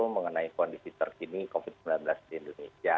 mengenai kondisi terkini covid sembilan belas di indonesia